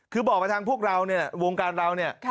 คือบอกมาทางพวกเราเนี่ยวงการเราเนี่ย